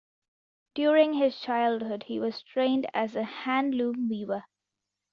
During his childhood he was trained as a handloom weaver.